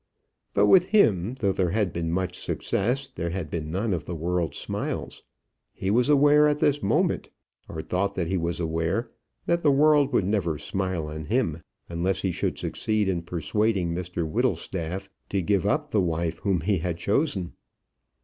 But with him, though there had been much success, there had been none of the world's smiles. He was aware at this moment, or thought that he was aware, that the world would never smile on him, unless he should succeed in persuading Mr Whittlestaff to give up the wife whom he had chosen.